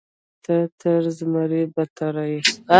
ته تر زمري بدتر یې.